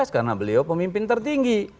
karena dia pemimpin tertinggi